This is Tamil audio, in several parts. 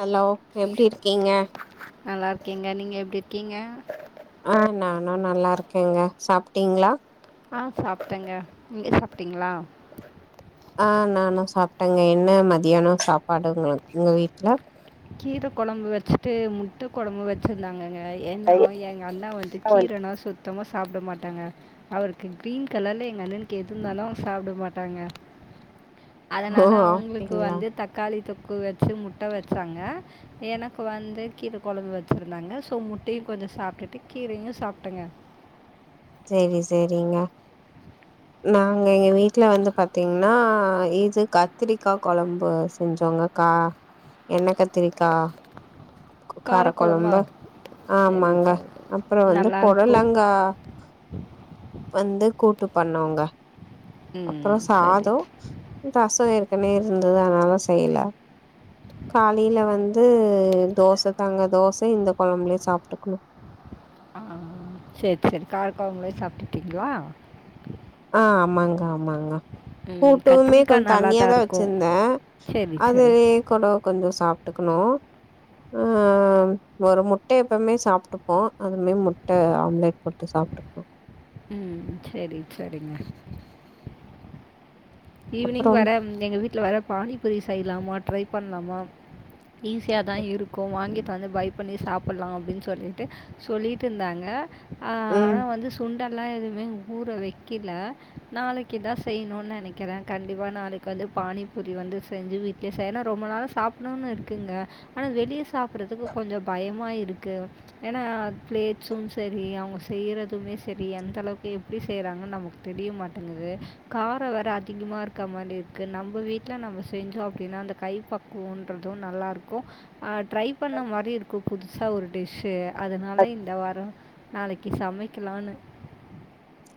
ஹலோ எப்டி இருக்கீங்க நல்லா இருக்கேங்க நீங்க எப்டி இருக்கீங்க ஆ நானு நல்லா இருக்கேங்க சாப்ட்டீங்ளா ஆ சாப்ட்டேங்க நீங்க சாப்ட்டீங்ளா ஆ நானு சாப்ட்டேங்க என்ன மதியானோ சாப்பாடுங்க உங்க வீட்ல கீர கொழம்பு வெச்சுட்டு முட்ட கொழம்பு வெ ச்சுருந்தாங்கங்க ஏன்னா எங்க அண்ணா வந்து கீரனா சுத்தமா சாப்ட மாட்டாங்க அவருக்கு கிரீன் கலர்ல எங்க அண்ணனுக்கு எதுந்தாலு அவங்க சாப்ட மாட்டாங்க ஓ அதனால அவுங்களுக்கு அப்டிங்களா வந்து தக்காளி தொக்கு வெச்சு முட்ட வெச்சாங்க எனக்கு வந்து கீர கொழம்பு வெச்சிருந்தாங்க சோ முட்டையு கொஞ்சு சாப்ட்டுட்டு கீரையு சாப்ட்டங்க செரி செரிங்க நாங்க எங்க வீட்ல வந்து பாத்தீங்ன்னா இது கத்திரிக்கா கொழம்பு செஞ்சோங்க க்கா எண்ணெ கத்திரிக்கா கார காரக்குழம்பா கொழம்பு சரி ஆமாங்க சரி அப்பற வந்து நல்லாயிருக்கும் பொடலங்கா வந்து கூட்டு பண்ணோங்க அப்றோ ம் செரி சாதோ ரசோ ஏற்கனே இருந்துது அதனால செய்ல காலில வந்து தோச தங்க தோச இந்த கொழம்ப்லே சாப்ட்டுக்குனோ ஆ செரி செரி காரக்கொழம்ப்ளே சாப்ட்டுட்டீங்ளா ஆ ஆமாங்க ஆமாங்க ம் கூட்டுமே கொஞ் கத்திரிக்காய் நல்லா தான் தண்ணியாதா இருக்கும் வெச்சிந்தே சரி அதே சரி கூடோ கொஞ்சோ சாப்ட்டுக்குனோ ஆ ம் ஒரு முட்ட எப்பவ்மே சாப்ட்டுப்போ அதுமே முட்ட ஆம்லெட் போட்டு சாப்ட்டுக்வோ ம் செரி செரிங்க ஈவினிங் அப்புறம் வேற எங்க வீட்ல வேற பானிபூரி செய்லாமா ட்ரை பண்லாமா ஈஸியா தா இருக்கு வாங்கிட் வந்து பய்ப் பண்ணி சாப்புல்லா அப்டின் சொல்லிட்டு சொல்லிட்டுந்தாங்க அ ம் ஆனா வந்து சொ சுண்டெல்லா எதுவுமே ஊற வெக்கில நாளைக்கிதா செய்யணுன் நெனைக் கிறே கண்டிப்பா நாளைக்கு வந்து பானிப்பூரி வந்து செஞ்சு வீட்லே செ ஏனா ரொம்ப நாளா சாப்ணுன் இருக்குங்க ஆனா வெளிய சாப்புறதுக்கு கொஞ்சு பயமா இருக்கு ஏன்னா ப்ளேட்ஸும் செரி அவுங்க செய்யறதுமே செரி எந்தளவுக்கு எப்டி செய்றாங்கன் நமக்கு தெரிய மாட்டங்குது காரோ வேற அ அதிகமா இருக்க மாரி இருக்கு நம்ப வீட்டில நம்ம செஞ்சோ அப்டின்னா அந்த கை பக்குவன்றது நல்லா இருக்கு அ ட்ரை பண்ண மாரியு இருக்கு புதுசா ஒரு டிஷ்ஷூ அதுனால இந்த வாரோ நாளைக்கு சமைக்கலான்னு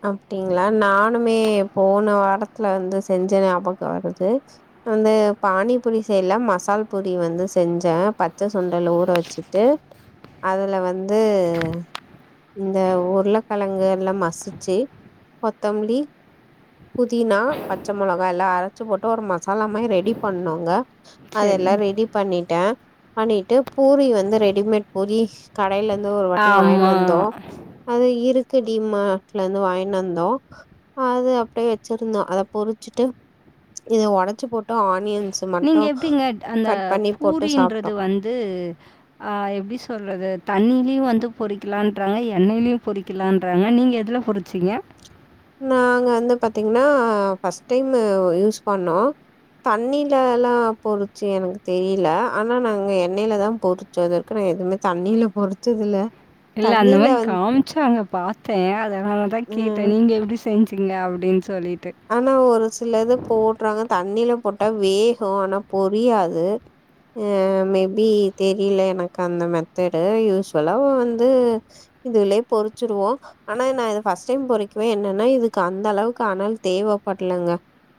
அப்படிங்களா நானுமே போன வாரத்துல வந்து செஞ்ச ஞாபோக வருது அந்த பானிபூரி செய்ல மசால் பொரி வந்து செஞ்சே பச்ச சுண்டல் ஊற வச்சுட்டு அதுல வந்து இந்த உருளைக்கழங்கு எல்லா மசிச்ச ச்சி கொத்தம்லி புதினா பச்ச மிளகா எல்லா அரைச்சி போட்டு ஒரு மசாலா மாரி ரெடி பண்ணோங்க சரி அதெல்லா ரெடி பண்ணிட்டே பண்ணிட்டு பூரி வந்து ரெடிமேட் பூரி கடைல இருந்து ஒரு வாட்டி வாங்கினு வந்தோ ஆமாம் அது இருக்கு டீம்மா ல இருந்து வாங்கினு வந்தோ அது அப்டியே வெச்சிருந்தோ அத பொருசுட்டு இது ஒடச்சு போட்டு ஆனியன்ஸ் மட்டு நீங்க எப்டிங்க அந்த கட் பண்ணி போட்டு சாப்ட்டோ பூரின்றது வந்து ஆ எப்டி சொல்றது தண்ணீயு வந்து பொரிகலான்றாங் எண்ணய்லியு பொரிக்கலான்றாங்க நீங்க எதுல பொரிப் சிங்க நாங்க வந்து பாத்தீங்கன்னா ஃபர்ஸ்ட் டைம் யூஸ் பண்ணோ தண்ணிலல்லா பொருச்சு எனக்கு தெரில ஆனா நாங்க எண்ணெய்ல தா பொரு சோதற்கு நா எதுமே தண்ணில பொருச்சது இல்ல இல்ல அந்த மாரி காமிச்சாங்க பாத்தே அதுனாலதா அ கேட்டே நீங்க எப்டி செஞ்சிங்க அப்டின்னு சொல்லிட்டு ஆனா ஒரு சில இது போட்றாங்க தண்ணில போட்டா வேகு ஆனா பொரியாது. மேபி தெரில எனக்கு அந்த மெத்தடு யூஸ்வலா வந்து இதுலெயே பொருச்சிருவோ ஆனா நா இது ஃபர்ஸ்ட் டைம் பொரிக்குவே என்னன்னா இதுக்கு அந்த அளவுக்கு அனல் தேவப்பட்லங்க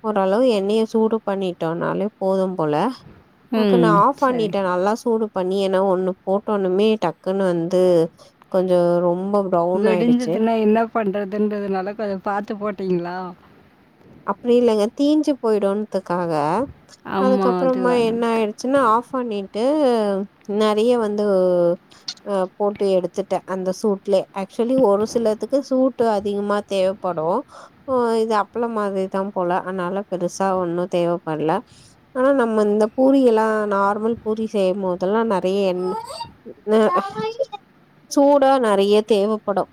ஓரளவு எண்ணய சூடு பண்ணிட்டோனாலே போது போல னக்கு நா ம். ஆஃப் சரி. பண்ணிட்டே நல்லா சூடு பண்ணி என்ன ஒண்ணு போட்டோன்னுமே டக்குன்னு வந்து கொஞ்சொ ரொம்பொ வெடிஞ்சதுன்னா என்ன பண்றதுன்றதுனால கொஞ்சொ பாத்து போட்டீங்களா அப்டி இல்லங்க தீஞ்சு போய்டுந்த்துக்காக ஆமா. அது அதுக்கப்பறொமா என்ன அதுக்கு. ஆயி சின்ன ஆஃப் பண்ணிட்டு நறையா வந்து அ போட்டு எடுத்துட்டே அந்த சூட்லே ஆக்சுவலி ஒரு சிலத்துக்கு சூட்டு அதிகமா தேவ படும் இது அப்புளோ மாதிரிதா போல அத்னால பெருசா ஒன்னு தேவப்படல ஆனா நம்ம இந்த பூரி எல்லா நார்மல் பூரி செய்யு போதெல்லா நேறையா எண் ந சூடா நேறையா தேவப்படு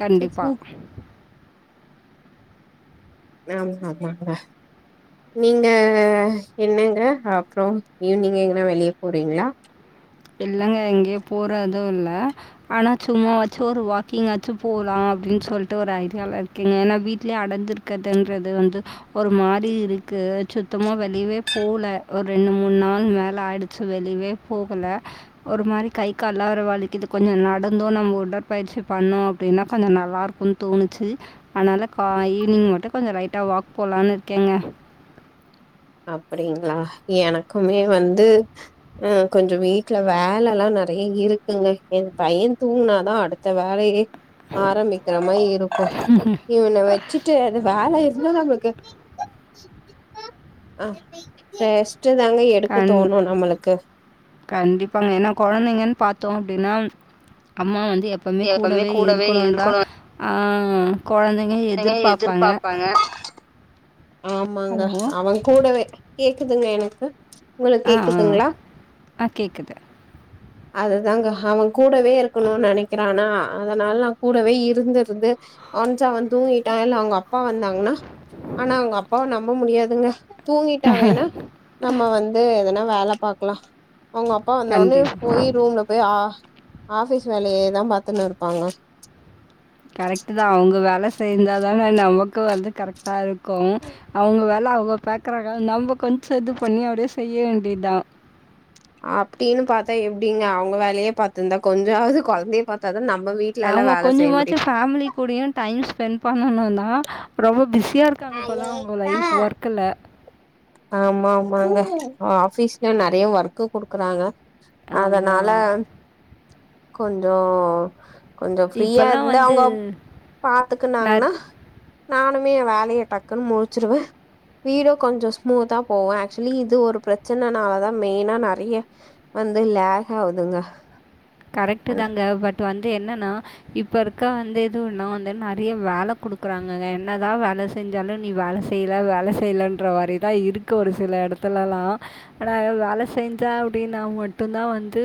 கண்டிப்பா ஆமா ஆமாங்க நீங்க என்னங்க அப்றொ ஈவினிங் எங்க வெளிய போறீங்களா இல்லங்க எங்கயு போறது இல்ல ஆனா சும்மா வாச்சு ஒரு வாக்கிங் ஆச்சு போலா அப்பிடின்னு சொல்லிட்டு ஒரு ஐடியால இருக்கிங்க ஏனா வீட்லயே அடஞ்சிரு இருக்றதுன்றது வந்து ஒரு மாரி இருக்கு சுத்தமா வெளிவே போல ஒரு ரெண்டு மூணு நாள் மேல ஆய்டுச்சு வெளிவே போகல ஒரு மாரி கை கால்லா வேற வலிக்குது கொஞ்சொ நடந்தோ நம்ம உடற்பயிற்சி பண்ணோ அப்டின்னா கொஞ்சோ நல்லா இருக்கு தோணுச்சு அத்னால கா ஈவினிங் மட்டு கொஞ்சொ லைட்டா வாக் போலான்னு இருக்கேங்க அப்டிங்களா எனக்குமே வந்து ஆ கொஞ்சொ வீட்ல வேல எல்லா நறையா இருக்குங்க என் பையன் தூங்னாதா அடுத்து த வேலயே ஆரம்பிக்கிற மாரி இருக்கூ இவன வெச்சுட்டு அது வேல இருந்தா நம்ளுக்கு ஆ ரெஸ்ட்டு தாங்க எடுக்க கண் தோணு நம்மளுக்கு கண்டிப்பாங்க ஏன்னா கொழந்தெங்கன் பாத்தோ அப்டின்னா அம்மா வந்து எப் எப்பொமே எப்பவுமே கூடவே இருக்குணு தா இருக்கணுனுங்க ஆ கொழந்தெங்க ங்க எதிர்பாப்பாங்க ஹலோ! கூடவே கேக்குதுங்க எனக்கு உங்களுக்கு ஆ, ஆ, கேக்குதுங்ளா ஆ கேட்குது. அதுதாங்க அவ கூடவே இருக்கணுனு நெனக்கிறானா அதனால நா கூடவே இருந்துருந்து வன்ச் அவ தூங்கிட்டா இல்லா அவ்ங்க அப்பா வந்தாங்ன்னா ஆனா அவ்ங்க அப்பாவ நம்ப முடியாதுங்க தூங்கிட்டா வேனா நம்ம வந்து எதனா வேல பாக்லா அவ்ங்க அப் அப்பா வந்த ஒட்னே கண்டிப்பா. போய் ரூம்ல போய் ஆ ஆஃபிஸ் வேலயே தா பாத்துன்னு இருப்பாங்க கரெக்ட்டு தா அவுங்க வேல செய்ந்தா தான நமக்கு வந்து கரெக்ட்டா இருக்கூ அவுங்க வேல அவுங்க பாக்குறாங்க நம்ப கொஞ்சொ இது பண்ணி அப்டியே செய்ய வேண்டிதா அப்டின்னு பாத்தா எப்டிங்க அவுங்க வேலையே பாத்துந்தா கொஞ்சாவ்து கொழந்தைய பாத்தாதான நம்ம வீட் அவ்ங்க கொஞ்சமாச்சு ஃபேமிலி கூடயு டைம் ஸ்பெண்ட் பண்ணனுதா ரொம்ப பிஸியா இருக் இருக்காங்க போல அவுங்க லைஃப் ஒர்க்குல ஆமா ஆமாங்க ஆபீஸ்ல நறைய ஒர்க்கு குடுக்குறாங்க ஆமா. அதனால கொஞ்சோ கொஞ்சோ ஃப்ரீயா இப்பலாம் இருந்தா வந்து அவுங்கோ நெ பாத்துக்குனாங்கன்னா நானுமே என் வேலைய டக்குன்னு முடிச்சுருவே வீடு கொஞ்சோ மூதா போவ ஆக்சுலி இது ஒரு பிரச்சனனாலதா மெயின்னா நறைய வந்து லேஹ் ஆவுதுங்க கரெக்ட்டு அண்ட் தாங்க பட் வந்து என்னன்னா இப்ப இருக்க வந்து எது ஒன்னா வந்து நறைய வேல குடுக்குறாங்கங என்னதா வேல செஞ்சாலு நீ வேல செய்யல வேல செய்யலன்ற மாரிதா இருக்கு ஒரு சில எடத்துலல்லா ஆனா வேல செஞ்சா அப்டின்னா மட்டுந்தா வந்து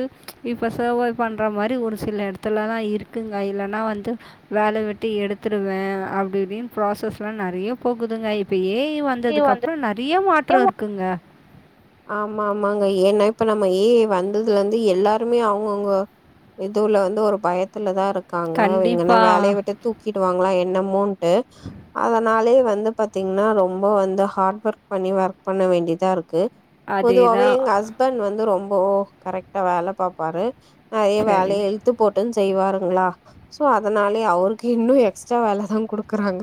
இப்பச பண்ற மாரி ஒரு சில எடத்துலலா இருக்குங்க இல்லன்னா வந்து வேல விட்டு எடுத்துருவே அப்டி இப்டின் ப்ராசஸ் எலா நறைய போகுதுங்க இப்ப ஏ ஐ வந் வந்ததுக்கு அப்றோ நறைய மாற்றோ இருக்குங்க ஆமா ஆமாங்க ஏன்னா இப்ப நம்ம ஏ ஐ வந்ததுலருந்து எல்லாருமே அவுங்கவுங்க இதுவுல வந்து ஒரு பயத்துலதா இருக்காங்க எங்கன்னா வேலைய கண்டிப்பாக விட்டு தூக்கிடு வாங்களா என்னமோண்டு அதனாலயே வந்து பாத்தீங்ன்னா ரொம்போ வந்து ஹார்ட் ஒர்க் பண்ணி ஒர்க் பண்ண வேண்டியதா இருக்கு அதே பொதுவாகவே தான் எங்க ஹஸ்பண்ட் வந்து ரொம்போ கரெக்ட்டா வேல பாப்பாரு நறைய சரி வேலைய இழுத் த்து போட்டுன் செய்வாருங்ளா சோ அதனாலயே அவருக்கு இன்னு எக்ஸ்ட்ரா வேலதா குடுக்குறாங்க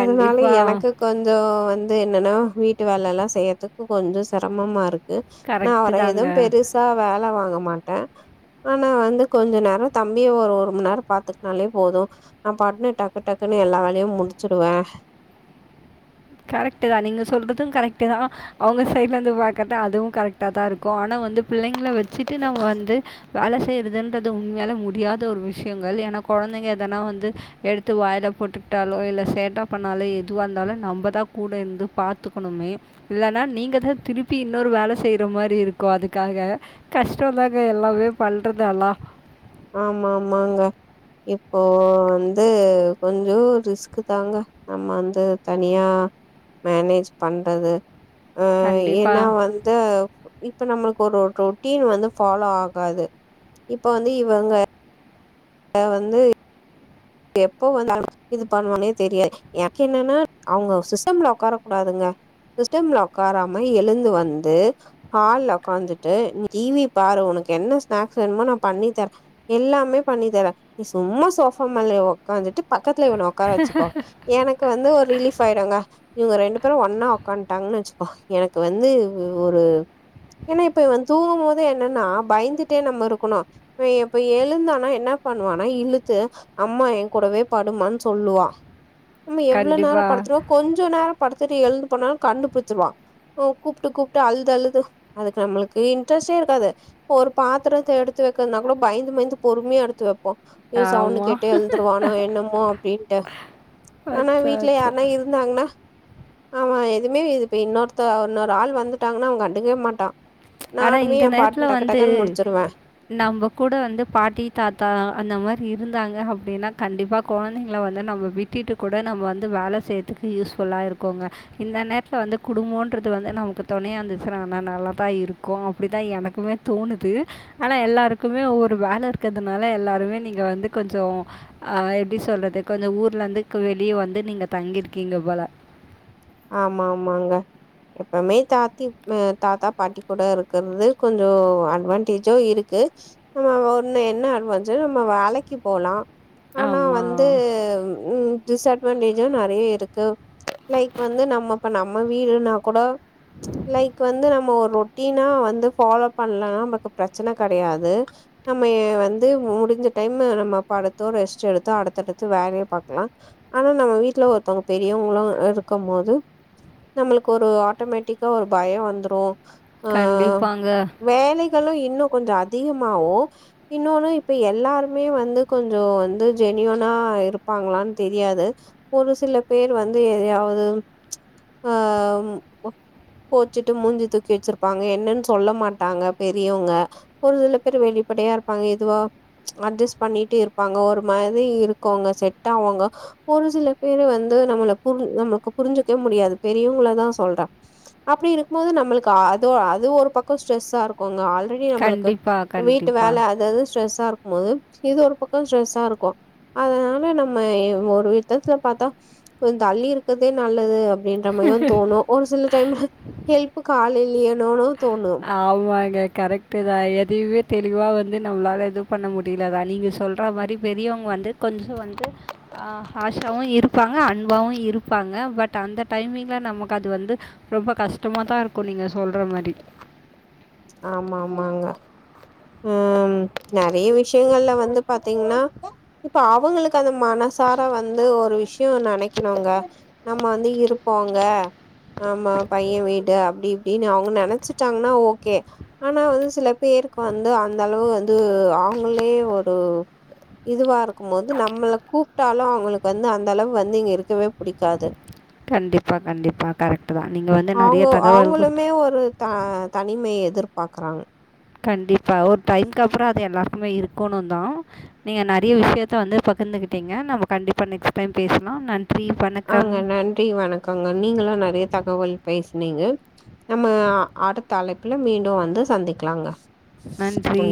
அதனால எனக்கு கொஞ்சோ வந்து என்னன்னா வீட்டு வேலல்லா செய்யறதுக்கு கொஞ்சோ செரமமாருக்கு நா கரெக்ட்டு அவர தாங்க. எதுவு பெருசா வேல வாங்க மாட்ட ஆனா வந்து கொஞ்ச நேரோ தம்பிய ஒரு ஒரு மண் நேரொ பாத்துக்குனாலே போது நான் பாட்னு டக்கு டக்குன்னு எல்லா வேலையு முடிச்சுடுவே கரெக்ட்டு தா நீங்க சொல்றதூ கரெக்ட்டு தா அவுங்க சைட்லந்து பாக்கத அதுவு கரெக்ட்டா தா இருக்கூ ஆனா வந்து பிள்ளைங்கள வச்சிட்டு நம்ம வந்து வேல செய்யுறதுன்றது உண்மையாலு முடியாத ஒரு விஷயங்கள் ஏனா கொழந்தைங்க ஏதனா வந்து எடு வாயில போட்டுக்கிட்டாலோ இல்ல சேட்ட பண்ணாலு எதுவா இருந்தாலு நம்பத் தா கூட இருந்து பாத்துக்கணுமே இல்லன்னா நீங்க தா திருப்பி இன்னொரு வேல செய்யுற மாரி இருக்கு அதுக்காக கஷ்டோ தாங்க எல்லாமே பண்றது அல்லா ஆமா ஆமாங்க இப்போ வந்து கொஞ்சோ ரிஸ்க்கு தாங்க நம்ம வந்து தனியா மேனேஜ் பண்றது அஹ் கண்டிப்பா, ஏன்னா வந்து இப்ப நம்மளுக்கு ஒரு ரொட்டீன் வந்து ஃபாலோ ஆகாது இப்ப வந்து இவங்க அ வந்து எப்போ வந்தாலு இது பண்ணுவானே தெரியாது எனக்கு என்னன்னா அவுங்க சிஸ்டம்ல உக்கார கூடாதுங்க சிஸ்டம்ல உக்காராம எழுந்து வந்து ஹால்ல உக்காந்துட்டு நீ டிவி பாரு உனக்கு என்ன ஸ்நாக்ஸ் வேணுமோ நா பண்ணிதர எல்லாமே பண்ணி தர நீ சும்மா சோஃபா மேல உக்காந்துட்டு பக்கத்துல இவன ஒக்கார வெச்சுக்கோ எனக்கு வந்து ஒரு ரிலீஃப் ஆயிடுங்க இவுங்க ரெண்டு பேரும் ஒன்னா உக்காட்டாங்கன்னா வெச்சுக்கோ எனக்கு வந்து ஒரு ஏன்னா இப்ப இவன் தூங்கும் போது என்னன்னா பயந்துட்டே நம்ம இருக்கணு இவ இப்ப எழுந்தானா என்ன பண்ணுவானா இழுத்து அம்மா என் கூடவே படுமான்னு சொல்லுவா நம்ம எவ்வளோ நேரோ கண்டிப்பா. படுத்துருவோ கொஞ்சோ நேரோ படுத்துட்டு எழுந்து போனாலு கண்டுபுச்சுருவா கூப்ட்டு கூப்ட்டு அழுது அழுது அதுக்கு நம்மளுக்கு இன்ரெஸ்டே இருக்காது ஒரு பாத்திரத்த எடுத்து வெக்கிறதுனா கூட பயந்து பயந்து பொறுமையா எடுத்து வெப்போ சவுண்ட் ஆமா. கேட்டு எழுந்துருவானோ என்னமோ அப்டின்ட்டு ஆனா அச்சோ, வீட்டுல அச்சோ. யாருனா இருந் தாங்னா ஆமா எதுவுமே இது இப்ப இன்னொருத்த இன்னொரு ஆள் வந்துட்டாங்கன்னா அவ கண்டுக்கவே மாட்டா ஆனால் நானுமே இந்த எய பாட்டுக்கு நேரத்தில் வந்து டக்குடக்குன்னு முடிச்சிருவ நம்ம கூட வந்து பாட்டி தாத்தா அந்த மாரி இருந்தாங்க அப்டின்னா கண்டிப்பா கொழந்திங்கள வந்து நம்ம விட் டுட்டு கூட நம்ம வந்து வேல செய்றதுக்கு யூஸ்ஃபுல்லா இருக்கோங்க இந்த நேரத்துல வந்து குடும்போன்றது வந்து நமக்கு தொணயா இருந்துச்சினா நல்லாதா இருக்கோ இருக்கோ அப்டிதா எனக்குமே தோணுது ஆனா எல்லாருக்குமே ஒவ்வொரு வேலருக் கிறதுனால எல்லாருமே நீங்க வந்து கொஞ்சோ ஹ எப்டி சொல்றது கொஞ்சோ ஊர்ல இருந்து வெளியே வந்து நீங்க தங்கிருக்கீங்க போல ஆமா ஆமாங்க எப்பமே தாத்தி் தாத்தா பாட்டி கூட இருக்கறது கொஞ்சோ அட்வான்டேஜ்ஜு இருக்கு நம்ம ஒன்னு என்ன அட்வான்டோஜ் நம்ம வேலைக்கு போலா ஆனா வந்து ஆமாம் டிஸ்அட்வான்டேஜு நெறைய இருக்கு லைக் வந்து நம்மப்ப நம்ம வீடுனா கூட லைக் வந்து நம்ம ஒரு ரொட் டினா வந்து ஃபாலோ பண்ணலனா நமக்கு பிரச்சன கெடயாது நம்ம வந்து முடிஞ்சி டைம்ல நம்ம படுத்தோ ரெஸ்ட் எடுத்தோ அடுத்தடுத்த வேல பாக்கலா ஆனா நம்ம வீட்டுல ஒருத்தொவங்க பெரியவங்களு இருக்கும் போது நம்மளுக்கு ஒரு ஆட்டோமேட்டிக்கா ஒரு பயோ வந்துரோ ஹ கண்டிப்பாங்க வேலைகளு இன்ணோ கொஞ்சோ அதிகமாவோ இன்னோன்னு இப்ப எல்லாருமே வந்து கொஞ்சோ வந்து ஜெனியூனா இருப்பாங்களான்னு தெரியாது ஒரு சில பேர் வந்து எதையாவது ஹ கோச்சுட்டு மூஞ்சி தூக்கி வெச்சிருப்பாங்க என்னன்னு சொல்ல மாட்டாங்க பெரியோங்க ஒரு சில பேர் வெளிப்படையா இருப்பாங்க எதுவா அஜஸ்ட் பண்ணிட்டு இருப்பாங்க ஒரு மாரி இருக்கோங்க செட்டாவுங்க ஒரு சில பேரு வந்து நம்மள புரி நம்மளுக்கு புரிஞ்சிக்கவே முடியாது பெரியவங்கள தா சொல்ற அப்டி இருக்கு போது நம்மளுக்கு அ அது ஒரு பக்கோ ஸ்ட்ரெஸ்ஸா இருக்கோங்க அத் ஆல்ரெடி நம்மளுக்கு கண்டிப்பாக வீட்டு கண்டிப்பாக வேல அதாவது ஸ்ட்ரெஸ்ஸாருக்கும் போது இது ஒரு பக்கோ ஸ்ட்ரெஸ்ஸாருக்கோ அதனால நம்ம ஒரு விதத்துல பாத்தா கொஞ்சோ தள்ளி இருக்குது இதே நல்லது அப்டின்ற மாரிதா தோணு ஒரு சில டைம்ல ஹெல்ப்க்கு ஆள்யில்லையனுன்னு தோணு ஆமாங்க கரெக்ட்டு தா எதுவே தெளிவா வந்து நம்மளால எதுவு பண்ண முடியலதா நீங்க சொல் அத மாரி பெரியவங்க வந்து கொஞ்சோ வந்து ஆ ஆஷாவு இருப்பாங்க அன்பாவு இருப்பாங்க பட் அந்த டைமிங்ல நமக்கு அது வந்து ரொம்ப கஷ்டமாதா இருக்கோ நீங்க சொல்ற மாரி ஆமா ஆமாங்க ம் நறைய விஷயங்கள்ல வந்து பாத்தீங்கன்னா இப்ப அவங்களுக்கு அந்த மனசார வந்து ஒரு விஷ்யோ நனைக்கிறாங்க நம்ம வந்து இருப்போங்க ஆமா பையே வீடு அப்டி இப்டின்னு அவங்க நெனைச்சிட்டாங்கன்னா ஓ ஓகே ஆனா வந்து சில பேருக்கு வந்து அந்தளவு வந்து அவுங்களே ஒரு இதுவாருக்கும் போது நம்மள கூப்புட்டாலு அவுங்களுக்கு வந்து அந்தளவு வந்து இங்க இருக்கவே புடிக்காது கண்டிப்பா கண்டிப்பா கரெக்ட்டுதா நீங்க வந்து நறைய அவங்க தகவல்கள் அவங்களுமே ஒரு த தனிமைய எதிர்பாக்கறாங்க கண்டிப்பா ஒரு டைம் கப்ரோ அது எல்லாருக்குமே இருக்கோணோ தா நீங்க நறைய விஷயத்த வந்து பகிர்ந்துகிட்டீங்க நம்ம கண்டிப்பா நெக்ஸ்ட் டைம் பேசலா நன் ஆங்க நன்றி வணகோங்க நீங்கலு நறைய தகவல் பேசுனீங்க நம்ம அடுத்த அழைப்புல மீண்டும் வந்து சந்திக்கலாங்க நன்றி